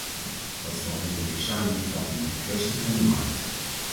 Dat valt niet alleen samen te vatten met de kwestie van de markt.